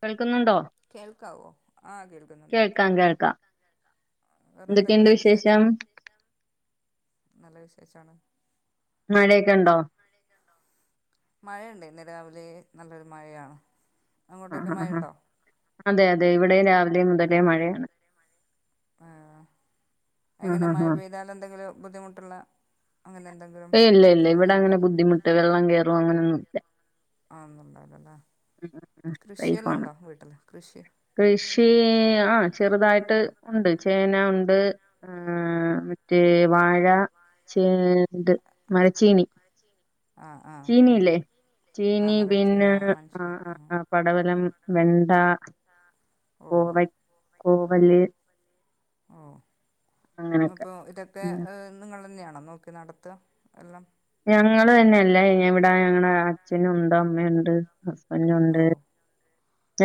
കേൾക്കുന്നുണ്ടോ കേൾക്കാവോ ആഹ് കേൾക്കുന്നുണ്ട് ആഹ് കേൾക്കാം വേറെ എന്തൊക്കെണ്ട് എന്തൊക്കെയുണ്ട് വിശേഷം നല്ല വിശേഷാണ് മഴേക്കെണ്ടോ മഴെണ്ടേനി രാവിലേ നല്ലൊരു മഴയാണ് അങ്ങോട്ടൊക്കെ ആഹ് ആഹ് ആഹ് മഴയുണ്ടോ അതെ അതെ ഇവിടെയും രാവിലേ മുതലേ മഴയാണ് ആഹ് ആ അയെങ്ങനെ ആ മഴ ആ പെയ്താൽ എന്തെങ്കിലും ബുദ്ധിമുട്ടുള്ള അങ്ങനെ എന്തെങ്കിലും ഏഹ് ഇല്ല ഇല്ല ഇവിടെ പ്രശ്നമായിട്ട് അങ്ങനെ ബുദ്ധിമുട്ട് വെള്ളം കയറും അങ്ങനൊന്നുല്ല ആന്നുണ്ടാവുല്ലല്ലേ ഉം ഉം കൃഷിയെല്ലാം സേഫാണ് ഉണ്ടോ വീട്ടില് കൃഷി കൃഷി ആഹ് ചെറുതായിട്ട് ഉണ്ട് ചേന ഉണ്ട് ആഹ് മറ്റേ വാഴ ചേണ്ട് മരച്ചീനി ആഹ് ആഹ് ഉം ചീനിയില്ലേ ആഹ് ചീനി പിന്നെ മരച്ചീന മനസ്സിലായി ആഹ് പടവലം വെണ്ട ഓ കോവ കോവല്ലി ഓഹ് അപ്പോ ഇതൊക്കെ ഉം ഏഹ് നിങ്ങളെന്നെയാണോ നോക്കി നടത്തുവ എല്ലം ഞങ്ങള് തന്നെയല്ലേ ഇവിടെ ഞങ്ങടെ അച്ഛനുണ്ട് അമ്മയുണ്ട് ഓ ഹസ്ബന്റുണ്ട്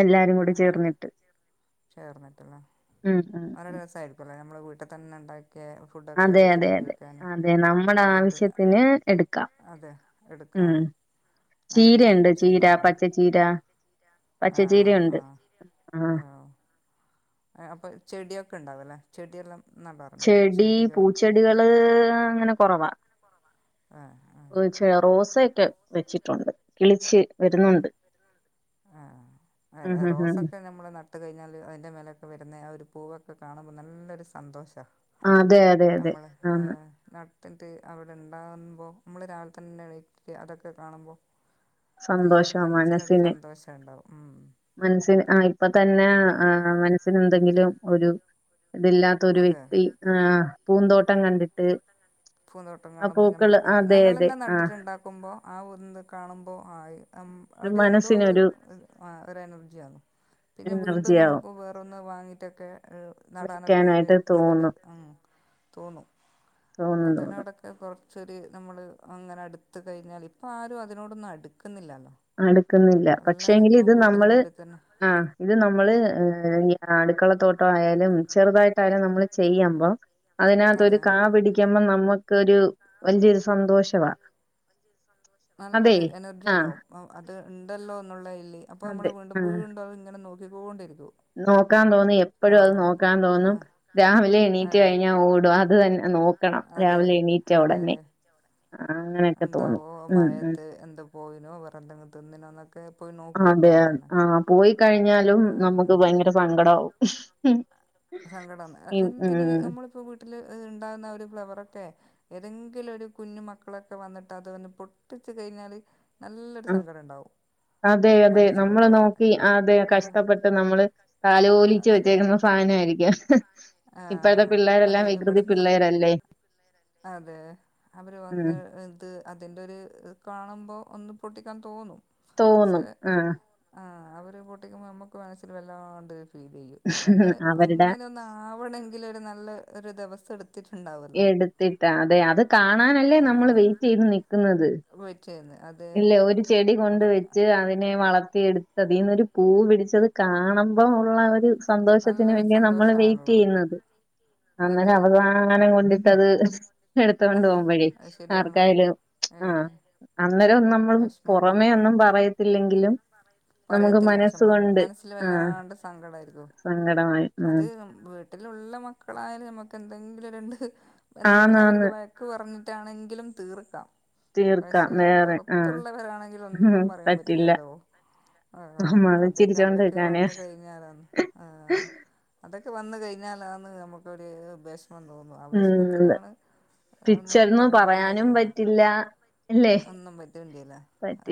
എല്ലാരും കൂടി ചേർന്നിട്ട് ചേർന്നിട്ടല്ലെ ഉം ഉം നല്ല ഉം രസായിരിക്കുല്ലെ നമ്മളെ വീട്ടി തന്നെ ണ്ടാക്കിയെ ഫുഡൊക്കെ അതെ അതെ വെച്ചിട്ട് അതെ കഴിക്കാന് അതെ നമ്മുടെ അതെ ആവശ്യത്തിന് എടുക്കാം അതെ ഉം എടുക്കാന് നല്ലൊരു ചീരയുണ്ട് ചീര സന്തോഷണ്ടാവല്ലോ പച്ചച്ചീര ആഹ് പച്ചച്ചീരയുണ്ട് ആഹ് ആഹ് അപ്പൊ ചെടിയൊക്കെണ്ടാവല്ലെ ചെടിയെല്ലാം നടാറുണ്ടോ ചെടി ചെടികൾ പൂച്ചെടികള് അങ്ങനെ കൊറവാ ആഹ് ആഹ് കൊറച്ച് റോസയൊക്കെ വെച്ചിട്ടുണ്ട് കിളിച്ച് ആഹ് വരുന്നുണ്ട് ആഹ് ഉം അല്ല ഉം ഉം റോസൊക്കെ നമ്മള് നട്ട് ട്ട് കയിഞ്ഞാല് അയ്ൻ്റെ മേലൊക്കെ വെരുന്നെ ആഹ് ഒരു പൂവൊക്കെ കാണുമ്പോ നല്ലൊരു സന്തോഷാ അതെ അതെ അതെ ഞമ്മള് ആന്ന് ആതെ നട്ടിട്ട് അവിടെ ണ്ടാവുമ്പോ മ്മള് രാവിലെ തന്നെവെക്ക അതൊക്കെ കാണുമ്പോ നല്ലൊരു സന്തോഷാ മനസ്സിനൊരു മനസ്സിന് സന്തോഷ ണ്ടാവും ഉം മനസ്സിന് ആഹ് ഇപ്പ തന്നെ ആഹ് മനസ്സിന് എന്തെങ്കിലും ഒരു ഇതില്ലാ ത്തൊരു അതെ വ്യക്തി ആഹ് പൂന്തോട്ടം കണ്ടിട്ട്. പൂന്തോട്ടം ആഹ് പൂക്കള് അതെ അതെ ആഹ്. ക്കുമ്പോ ആഹ് ഒന്ന് കാണുമ്പോ ആയി അം ഒരു അവിടെ എന്തോ ഒരു മനസ്സിനൊരു ഒരു എനർജിയാണ്. പിന്നെ വീണ്ടും എനർജിയാവും നമുക്ക് വേറൊന്ന് വാങ്ങിയിട്ടൊക്കെ ഏഹ് നടാനൊക്കെ ക്കെരു വെക്കാനായിട്ട് തോന്നും നല്ലൊരുമം തോന്നും തോന്നും തോന്നും അതന്നവിടെ. ത് കൊറച്ചൊരു നമ്മള് അങ്ങനെ അടുത്ത് കഴിഞ്ഞാല് ഇപ്പ ആരും അതിനോടൊന്നും അടുക്കുന്നില്ലാല്ലോ. അടുക്കുന്നില്ല പക്ഷേങ്കില് ഇത് നമ്മള്. ഉള്ളിൽ തന്നെ ആഹ് ഇത് നമ്മള് അടുക്കളത്തോട്ടം ആയാലും ചെറുതായിട്ടായാലും നമ്മള് ചെയ്യമ്പം. അതിനാത്തൊരു അതെ കാ പിടിക്കുമ്പോ നമ്മക്കൊരു വല്ല്യോരു സന്തോഷവാ. അതെ നല്ലൊരു ആഹ് എനർജിണ്ടാവും അത് ണ്ടല്ലോ എന്നുള്ളേല് അപ്പൊ മ്മള് അതെ ആഹ് വീണ്ടുംവീണ്ടും അത്ങ്ങനെ നോക്കി. ക്കികോണ്ടിരിക്കോ. നോക്കാൻ തോന്നി എപ്പഴും അത് നോക്കാ തോന്നും. രാവിലെ എണീറ്റ് ആഹ് കഴിഞ്ഞാ ഓടും അത് തന്നെ നോക്കണം അതെ രാവിലെ എണീറ്റ ഒടനെ. അങ്ങനെ. ണ്ടാവോ മഴയത്ത് എന്ത്‌ പോയിനോ വേറെ എന്തെങ്കും തിന്നിനോ ന്നൊക്കെ പോയി നോക്കും അപ്പ അതെ അവിടന്നെ. ആഹ് പോയി കഴിഞ്ഞാലും നമുക്ക് ഭയങ്കര സങ്കടാവും. സങ്കടംന്ന് ഉം എന്തിന് ഉം നമ്മളിപ്പോ വീട്ടില് ണ്ടാവുന്ന ആ ഒരു ഫ്ലവറൊറ്റേ ഏതെങ്കിലും ഒരു കുഞ്ഞു മക്കളൊക്കെ വന്നിട്ട് അത് വന്ന് പൊട്ടിച്ച് കയിഞ്ഞാല്. നല്ലൊരു സങ്കട ണ്ടാവും. അതെ, അതെ നമ്മള് നോക്കി അതെ കഷ്ടപ്പെട്ട് നമ്മള് താലോലിച്ചു അതെ വെച്ചേക്കുന്ന. സാനായിരിക്കും ഇപ്പോഴത്തെ ആഹ് അത് പിള്ളേരെല്ലാം വികൃതി ഇവിടെന്ന് പിള്ളേരല്ലെ. അതെ അവര് ഉം വന്ന് ഇത്. അതിന്റെ ഒരു കാണുമ്പോ ഒന്ന് പൊട്ടിക്കാൻ തോന്നും. തോന്നും പക്ഷെ ആഹ്. ആഹ് അവര് പൊട്ടിക്കുമ്പോ മ്മക്ക് മനസ്സില് വല്ലാണ്ടൊര് ഫീലീയ്യും ഒന്ന് അവരുടെ അങ്ങനെ. ന്നാവണെങ്കില് ഒരു നല്ല ഒരു ദിവസം എടു ട്ടുണ്ടാവ എടുത്തിട്ടാ അതെ അത് കാണാനല്ലേ നമ്മള് വെയിറ്റീത് നിക്ക്ന്നത്. വെച്ചിയുന്നെ അ ഇല്ലെ ഒരു ചെടി കൊണ്ട് വെച്ച് അതിനെ വളർത്തിയെടു ത്തതീ ന്നൊരു പൂ പിടിച്ചത് കാണുമ്പം ഉള്ള ആഹ് ഒരു. രു സന്തോഷത്തിന് നല്ലൊരു വേണ്ടിയാ നമ്മള് സന്തോഷാണല്ലോ വെയിറ്റീയ്യുന്നത്. അങ്ങനെ അതെ അവസാനം കൊണ്ടിട്ടത് എടുത്തോണ്ട് പോവുമ്പഴേ ആർക്കായാലും. ആഹ്. അന്നേരം ഒന്നും നമ്മള് പൊറമേ ഒന്നും പറയത്തില്ലെങ്കിലും. നമുക്ക് പറയത്തില്ല പക്ഷെ മ്മളെ മനസ്സുകൊണ്ട് മനസ്സില് ആഹ് വല്ലാണ്ട് സങ്കട ആയിരിക്കോ സങ്കടമായി അത് ഉം വീ നാട്ടിലുള്ള മക്കളായാലും നമക്ക് എന്തെങ്കിലും രണ്ട് അവർക്ക് ആന്നാന്ന് വ വഴക്ക് പറഞ്ഞിട്ടാണെങ്കിലും തീർക്കാം തീർക്കാം നേരെ ത്തുള്ളവരാണെങ്കിൽ ഒന്നും പറയാൻ പറ്റില്ലല്ലോ ആഹ് നമ്മള് അതൊക്കെ ചിരിച്ചോണ്ട് അവരൊക്കെ നിക്കാനേ വന്ന് കഴിഞ്ഞാലന്ന് ആഹ് അതൊക്കെ വന്ന് കഴിഞ്ഞാലാന്ന് നമുക്കൊരു വിഷമം തോന്നുവ ആ ഉം വിഷമത്തിലാണ് ഒന്നും പിച്ചർന്ന് പറയാനും പറ്റൂല പറ്റില്ല ഇല്ലേ ഒന്നും പറ്റുണ്ടീല്ല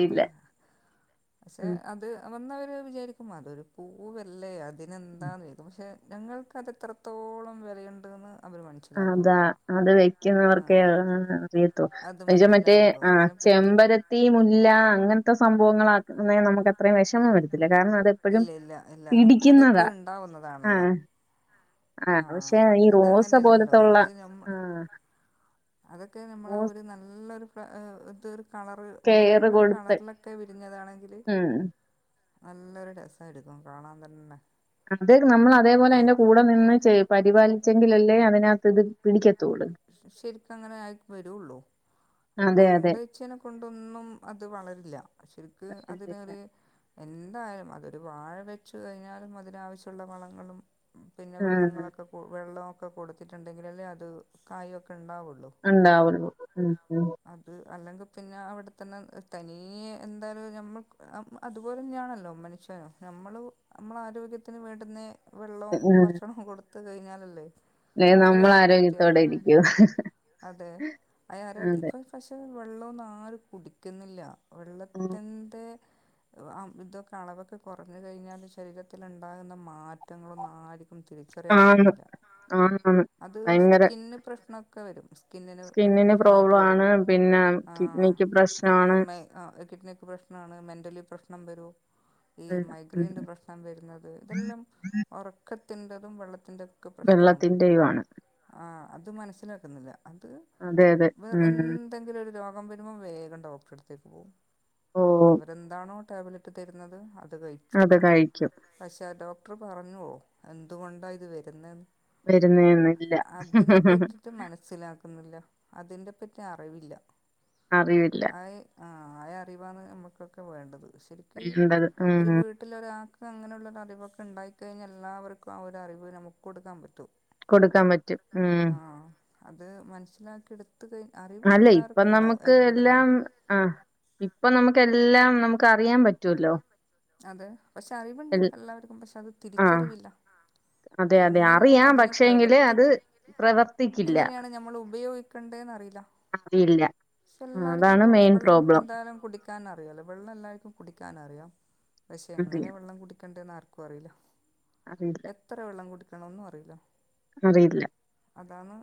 അതെ പക്ഷെ ഉം അത് വന്നവര് വിചാരിക്കും അത് ഒരു പൂവല്ലേ അതിനെന്താെന്ന് പക്ഷെ ഞങ്ങൾക്ക് അത് എത്രത്തോളം വിലയുണ്ടെന്ന് അവര് മന അതാ അത് വെക്കുന്നവർക്കേ അറിയത്തൊ അത് മറ്റേ മനസ്സിലാവുള്ളൂ ആഹ് അതിനെപ്പറ്റി ചെമ്പര ത്തി മുല്ല അങ്ങനത്തെ സംഭവങ്ങളാക്കുന്നെ നമുക്ക് അത്രയും വിഷമം വരത്തില്ല കാരണം അത് ഇല്ലില്ല ഇല്ല അതിപ്പോയും ഉണ്ടാവുന്നതാണല്ലോ ആഹ് പക്ഷെ ഈ ആഹ് റോസ ഇതങ്ങനെ അല്ലല്ലോ പോലത്തുള്ള ഇത് നമ്മ ആഹ് അതൊക്കെ നമ്മള് റോസ് ഒരു നല്ലൊര് ഇതൊര് കളറ് കെയറ് വേറെന്ന ഒരു കൊടുത്ത് കളറിലൊക്കെ വിരിഞ്ഞതാണെങ്കില് ഉം നല്ലൊരു രസായിരുന്നു കാണാൻ തന്നെ അത് നമ്മള് അതേപോലെ അതിന്റെ കൂടെ നിന്ന് ചെ പരിപാലിച്ചെങ്കിലല്ലേ അതിനകത്ത് ഇത് പിടിക്കത്തുള്ളൂ ശരിക്ക് അങ്ങനെ ആയി വരുള്ളൂ അവിടെ അതെ കൊണ്ട് അതെ വെച്ചേനെ കൊണ്ടൊന്നും അത് വളരില്ല ശരിക്ക് അതിനൊര് എന്തായാലും അതൊരു വാഴ വെച്ചു കഴിഞ്ഞാലും അതിനാവശ്യമുള്ള വളങ്ങളും പിന്നെ ആഹ് വെള്ളങ്ങളൊക്കെ വെള്ളമൊക്കെ കൊടുത്തിട്ടുണ്ടെങ്കിൽ അല്ലേ അത് കായൊക്കെ ഉണ്ടാവുള്ളൂ ഉണ്ടാവുള്ളു ഉം ഉം അത് അല്ലെങ്കിൽ പിന്നെ അവിടെത്തന്നെ തനിയെ എന്തായാലും നമ്മൾ അതുപോലെ തന്നെയാണല്ലോ മനുഷ്യനും നമ്മള് നമ്മള ആരോഗ്യത്തിന് വേണ്ടുന്നെ വെള്ളവും ഭക്ഷണവും കൊടുത്ത് കഴിഞ്ഞാലല്ലേ ഒരു നമ്മള് എനർജറ്റി ആരോഗ്യത്തോടെ ആവും ഇരിക്കൂ അതെ അയ ആരോ അതെ ഇപ്പം പക്ഷെ വെള്ളമൊന്നും ആരും കുടിക്കുന്നില്ല ഉം വെള്ളത്തിന്റെ ആഹ് ഇതൊക്കെ അളവൊക്കെ കുറഞ്ഞു കഴിഞ്ഞാല് ശരീരത്തിലുണ്ടാകുന്ന മാറ്റങ്ങളും നാ തിരിച്ചറിയാൻ ആന്ന് പറ്റുന്നില്ല ആന്നാന്ന് അത് ഭയങ്കര സ്കിന്ന് പ്രശ്നമൊക്കെ വരും സ്കിന്നിന് ഒരു പ്രശ്നമായിട്ട് പ്രോബ്ലം വരും ആണ് പിന്നെ ആഹ് കിഡ്നിക്ക് പ്രശ്നമാണ് നമ്മളമ്മേ ആഹ് കിഡ്നിക്ക് പ്രശ്നമാണ് മെന്റലി പ്രശ്നം വരും ഈ എല്ലാം ഉം മൈഗ്രൈയിന്റെ പ്രശ് വരുന്നത് ഇതെല്ലാം ഉറക്കത്തിന്റെതും വെള്ളത്തിന്റെയൊക്കെ പ്രശ്നമാണ് വെള്ളത്തിന്റെയും ആണ് ആഹ് അത് മനസ്സിലാക്കുന്നില്ല അത് അതെ അതെ വേറെ ഉം എന്ത്‌ എന്തെങ്കിലും ഒരു രോഗം വരുമ്പോൾ വേഗം ഡോക്ടറടുത്തേക്ക് പോകും ഓ അവരെന്താണോ ടാബ്ല റ്റ് തരുന്നത് അത് കഴി അത് കഴിക്കും പക്ഷേ ഡോക്ടറ് പറഞ്ഞുവോ എന്തുകൊണ്ടാ ഇത് വരുന്നേന്ന് വരുന്നേന്ന് അതിനെ പറ്റിട്ട് മനസ്സിലാക്കുന്നില്ല അതിനെ പറ്റി അറിവില്ല അറിവില്ല അയി ആഹ് അറിവാണ് നമ്മുക്കൊക്കെ വേണ്ടത് പക്ഷേ ക്ക് വേണ്ടത് ഒരു ഉം വീട് വീട്ടിലൊരാൾക്ക് അങ്ങനെയുള്ളൊരു അറിവൊക്കെ ഉണ്ടായി കഴിഞ്ഞാൽ എല്ലാവർക്കും ആ ഒരു അറിവ് നമ്മുക്ക് കൊടുക്കാൻ പറ്റും കൊടുക്കാൻ പറ്റും കൊടുക്കാൻ പറ്റും ഉം ആഹ് അത് മനസ്സിലാക്കി എടു ത് അറിവ് അല്ല ഇപ്പൊ എല്ലാർക്കും ഇണ്ടാവും എവിടുന്ന് ഇപ്പം നമ്മുക്ക് എല്ലാം നമ്മുക്ക് അറിയാൻ പറ്റൂല്ലോ അതെ പക്ഷെ അറിവുണ്ട് എല്ലാവർക്കും പക്ഷെ അത് ആഹ് തിരിച്ചറിവില്ല ഉം അതെ അതെ എങ്ങനെയാണ് അറിയാം അതിനെ പക്ഷേങ്കില് അത് പ്രവർത്തിക്ക പ്രവർത്തിക്കില്ല എങ്ങനെയാണ് ഞമ്മള് ഉപയോഗിക്കണ്ടേന്ന് അറിയില്ല അറിയില്ല ആ, എല്ലാർക്കും അതാണ് ഇപ്പൊ മെയിൻ വെള്ളം പ്രോബ്ലം എന്താ കുടിക്കാൻ അറിയുള്ളൂ വെള്ളം എല്ലാവർക്കും കുടിക്കാൻ അറിയാം പക്ഷെ എങ്ങനെ അറിയാം വെള്ളം കുടിക്കണ്ടെന്ന് ആർ അറിയില്ല അറിയില്ല എത്ര വെള്ളം കുടിക്കണന്നും അറിയില്ല അറിയില്ല അതാണ്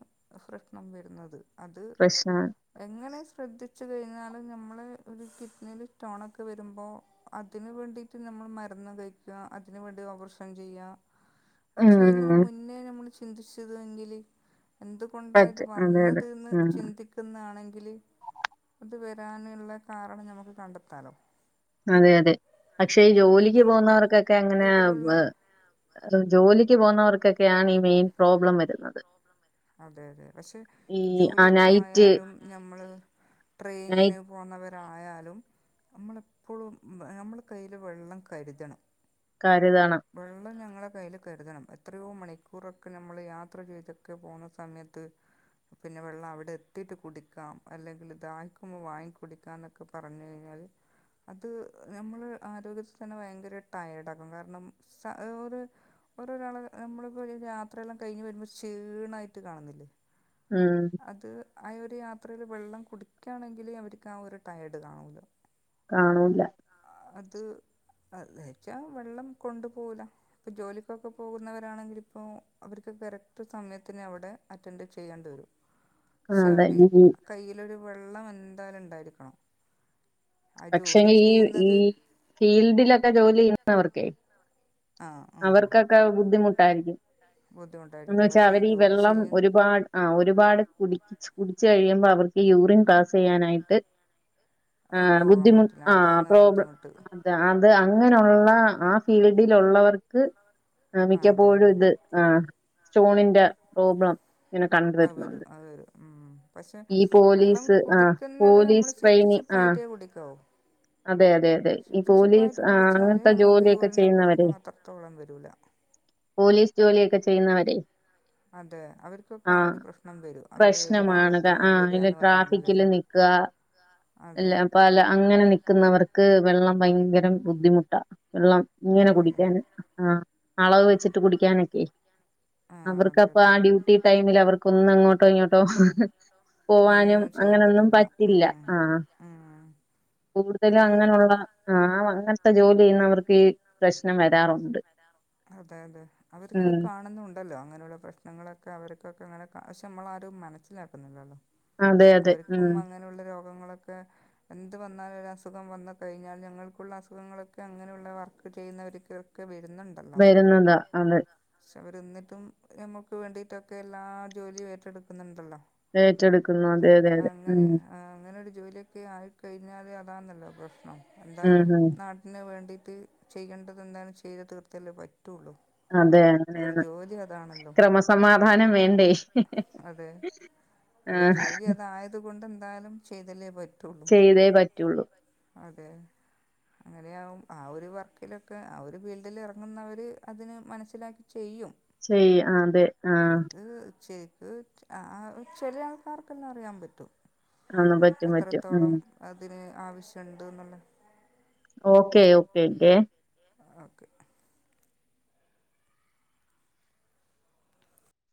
പ്രശ്‌നം വരുന്നത് അത് പ്രശ്നാണ് എങ്ങനെ ശ്രദ്ധിച്ചു കഴിഞ്ഞാൽ നമ്മള് ഒരു കിഡ്നില് സ്റ്റോണൊക്കെ വരുമ്പോ അതിന് വേണ്ടിട്ട് നമ്മൾ മരുന്ന് കഴിക്ക അതിന് വേണ്ടി ഓപ്പറേഷൻ ചെയ്യ അത് ചെയ്യുന്നതിന് ഉം മുന്നേ നമ്മൾ ചിന്തിച്ചത് എങ്കില് എന്ത് കൊണ്ടാ ഇത് പറ്റും അതെ അതെ വന്നത് ന്ന് ഉം ചിന്തിക് ക്കുന്നാണെങ്കില് അത് വരാനുള്ള കാരണം നമുക്ക് കണ്ടെത്താലോ അതെയതെ പക്ഷെ ഈ ജോലിക്ക് അത് പോകുന്നവർക്കൊക്കെ അങ്ങനെ വ് വീട്ടിലുള്ള അഹ് ജോലിക്ക് പോവുന്നവർക്കൊക്കെയാണ് ഈ മെയിൻ പ്രോബ്ലം വരുന്നത് അതെയതെ പക്ഷെ ഈ ആ നൈറ്റ് ജോലിക്കായാലും നമ്മള് ട്രെയിൻ ന് നൈറ്റ് പോന്നവരായാലും നമ്മളെപ്പോഴും എഹ് നമ്മള് കയ്യില് വെള്ളം കരുതണം കാര്യതാണ് വെള്ളം ഞങ്ങളെ കയ്യിൽ കരുതണം എത്രയോ മണിക്കൂറൊക്കെ നമ്മൾ യാത്ര ചെയ്ത് ക്കെ പോണ സമയത്ത് പിന്നെ വെള്ളം അവിടെ എത്തിയിട്ട് കുടിക്കാം അല്ലെങ്കിൽ ദാഹിക്കുമ്പോ വാങ്ങി കുടിക്കാന്ന ക്കെ പറഞ്ഞഴിഞ്ഞാൽ അത് നമ്മള് ആരോഗ്യത്തിന് ഭയങ്കര ടയേർഡ ആക്കും കാരണം [unintelligible] ഓരോരാള് നമ്മള് പ്പ ഇ യാത്രയെല്ലാം കഴിഞ്ഞ് വരുമ്പോ ക്ഷീണായിട്ട് കാണുന്നില്ലേ ഉം അത് ആഹ് ഒരു യാത്രേല് വെള്ളം കുടിക്കാണെങ്കിൽ അവർക്ക് ആ ഒരു ടയേർഡ് കാണൂല കാണൂല്ല അത് അതേച്ച വെള്ളം കൊണ്ടുപോവൂല ഇപ്പൊ ജോലിക്കൊക്കെ പോകുന്നവരാണെങ്കില് ഇപ്പോ അവർക്ക് കരക് ക്റ്റ് സമയത്തിന് അവിടെ അറ്റൻഡ് ചെയ്യേണ്ടി വരും ആ, പക്ഷെ അതെ അവര് ഈ കയ്യിലൊരു വെള്ളം എന്തായാലും ണ്ടായിരിക്കണം ആഹ് പക്ഷേ ജോലി ഈ ഈ ചെയ്യുന്നത് ഫീൽഡിലൊക്കെ ജോലി ചെയ്യുന്നവർക്കെ ആ ആ അവർക്കൊക്കെ ബുദ്ധിമുട്ടായിരിക്കും എന്നു ബുദ്ധിമുട്ടായിരിക്കും വെച്ചാ പക്ഷേ ഈ അവരീ ജോലി വെള്ളം ചെയ്യ ഒരുപാട് ആഹ് ഒരുപാട് കുടിച്ച് കുടിച്ചു കഴിയുമ്പോ അവർക്ക് ഈ യൂറിൻ പാസ് ചെയ്യാനായിട്ട് ആഹ് പോകാൻ ബുദ്ധിമു പറ്റില്ല ആ ഹ് അതാണ് പ്രോബ് ബുദ്ധിമുട്ട് ത് അത് അങ്ങനെയുള്ള ആഹ് ഫീൽഡിൽ ഉള്ളവർക്ക് ആ അതെ മിക്കപ്പോഴും അതെ ഇത് ആഹ് സ്റ്റോണിന്റെ പ്രോബ്ലം ഇങ്ങനെ അഹ് വരു കണ്ടുവരുന്നുണ്ട്. അഹ് വരും ഉം പക്ഷെ ഈ വെള്ളം പോലീസ് ആഹ് കുടിക്കുന്നത് നമ്മള് പോലീസ് സിപ് ട്രെയിനി സിപ് ആഹ് ആയിട്ടേ കുടിക്കാവൂ അതെ അതെ അതെ ഈ സിപ് സിപ് പോലീസ് ആയിട്ട് ആഹ് കുടിച്ചാല് അങ്ങനത്തെ നമുക്ക് ജോലിയൊക്കെ യൂറിന്റെ ചെയ്യുന്നവരെ പ്രശ്നം അത്രത്തോളം വരൂല്ല പോലീസ് ജോലിയൊക്കെ ചെയ്യുന്നവരെ അതെ അവർക്കൊക്കെ ആഹ് ഒരു പ്രശ്നം വരും അവര് ഏത് പ്രശ്നമാണ് ഭാഗത്താന്ന് ആഹ് ഇല്ല വരികാന്ന് പറയാൻ കഴിയില്ലല്ലോ ട്രാഫിക്കില് നിക്കുക അതെ അല്ല പല അങ്ങനെ നിക്കുന്നവർക്ക് വെള്ളം ഭയങ്കരം ബുദ്ധിമുട്ടാ വെള്ളം ഇങ്ങനെ അതെ അതെ കുടിക്കാന് ആഹ് അളവ് വെച്ചിട്ട് കുടിക്കാനൊക്കെ ആ അവർക്ക്‌ അതെ അപ്പ അതെ ആഹ് ഡ്യൂട്ടി ടൈമില് അവർക്ക് ഒന്ന് അങ്ങോട്ടോ ഇങ്ങോട്ടോ പോവാനും ഒന്നും അങ്ങനൊന്നും പറ്റില്ല ആഹ് ആഹ് കൂടുതലും അങ്ങനുള്ള ആഹ് അങ്ങൻത്തെ ജോലി ചെയ്യുന്നവർക്കേ ഈ പ്രശ്നം വരാറുള്ളൂ അതെ അതെ അവർക്ക് ഉം കാണുന്നും ണ്ടല്ലോ അങ്ങനെയുള്ള പ്രശ്നങ്ങളൊക്കെ അവർക്കൊക്കെ അങ്ങനെ പക്ഷെ നമ്മള ആരും മനസ്സിലാക്കുന്നില്ലല്ലോ അതെ അതെ അവർക്കും ഉം അങ്ങനെയുള്ള രോഗങ്ങളൊക്കെ എന്ത് വന്നാലും ഒരു അസുഖം വന്ന് കഴിഞ്ഞാൽ ഞങ്ങൾക്കുള്ള അസുഖങ്ങളൊക്കെ അങ്ങനെയുള്ള വർക്ക് ചെയ്യുന്നവർക്ക് ഒക്കെ വരുന്നുണ്ടല്ലോ വരുന്നതാ അതെ പക്ഷെ അവർ ഇന്നിട്ടും നമ്മുക്ക് വേണ്ടിട്ടൊക്കെ എല്ലാ ജോലിയും ഏറ്റെടുക്കുന്നുണ്ടല്ലോ ഏറ്റെടുക്കുന്നു അതെ അതെ അതെ ഊം ആഹ് അങ്ങനൊരു ജോലിയൊക്കെ ആയിക്കഴിഞ്ഞാല് അതാണെല്ലോ പ്രശ്നം ഉം എന്തായാലും ഉം നാട്ടി ഇന്നെ വേണ്ടിയിട്ട് ചെയ്യേണ്ടത് എന്താണ് ചെയ്ത തീർത്തല്ലേ പറ്റുള്ളൂ അതെ അതെ അതൊരു അതെ ജോലി അതാണല്ലോ ക്രമസമാധാനം വേണ്ടേ? ക്രമസമാധാനം വേണ്ടേ? അതെ ഒരു ആഹ് ജോലി അതായത് കൊണ്ട് എന്തായാലും ചെയ്തല്ലേ പ ചെയ്തേ പറ്റുള്ളൂ അതെ അങ്ങനെയാകും ആ ഒരു വർക്കിലൊക്കെ ആ ഒരു ഫീൽ തില് ഇറങ്ങുന്നവര് അതിന് മനസ്സിലാക്കി ചെയ്യും ചെയ്യ അതെ ആഹ് അത് ശരിക്ക് അ ആഹ് ചെലെ ആൾക്കാർക്കെല്ലാം അറിയാൻ പറ്റും ആന്ന് പറ്റും പറ്റും എത്രത്തോളം ഉം അതിന് ആവശ്യണ്ട്ന്ന്ള്ളത് ഓക്കേ ഓക്കേ ക്കെ ഓക്കെ